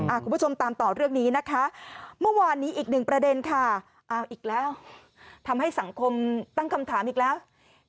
คุณผู้ชมตามต่อเรื่องนี้นะคะเมื่อวานนี้อีกหนึ่งประเด็นค่ะเอาอีกแล้วทำให้สังคมตั้งคำถามอีกแล้ว